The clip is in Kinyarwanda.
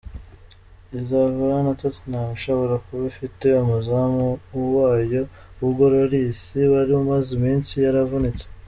Izahura na Tottenham ishobora kuba ifite umuzamu wayo Hugo Lloris wari umaze iminsi yaravunitse.